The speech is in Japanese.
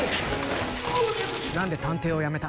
何で探偵をやめた？